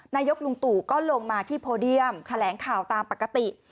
นายกลุงตู่ก็ลงมาที่โพเดียมแถลงข่าวตามปกติ